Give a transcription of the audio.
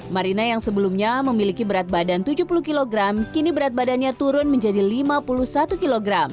marina yang sebelumnya memiliki berat badan tujuh puluh kg kini berat badannya turun menjadi lima puluh satu kg